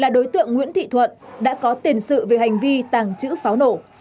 đối tượng nguyễn thị thuận đã có tiền sự về hành vi tàng trữ pháo nổ